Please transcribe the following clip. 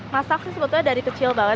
masak sih sebetulnya dari kecil banget